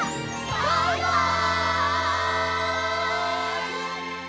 バイバイ！